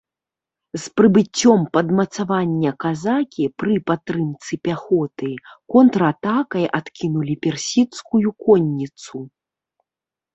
З прыбыццём падмацавання казакі, пры падтрымцы пяхоты, контратакай адкінулі персідскую конніцу.